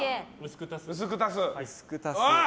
薄く足す。